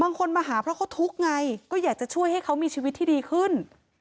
บางคนมาหาเพราะเขาทุกข์ไงก็อยากจะช่วยให้เขามีชีวิตที่ดีขึ้น